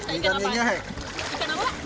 kelantan pak ikan apa